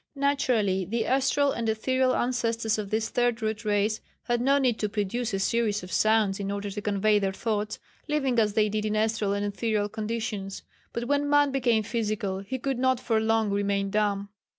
Naturally the astral and etherial ancestors of this Third Root Race had no need to produce a series of sounds in order to convey their thoughts, living as they did in astral and etherial conditions, but when man became physical he could not for long remain dumb.